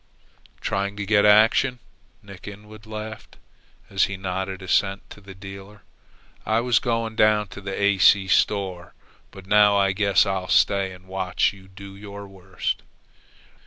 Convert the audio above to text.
"Trying to get action," Nick Inwood laughed, as he nodded assent to the dealer. "I was going down to the A. C. store, but now I guess I'll stay and watch you do your worst."